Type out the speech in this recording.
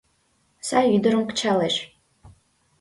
Сай ӱдырым кычалеш.